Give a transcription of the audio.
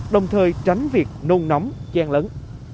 đồng thời tránh việc nôn nóng gian lấn